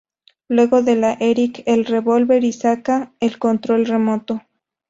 Luego le da a Eric el revólver y saca el control remoto.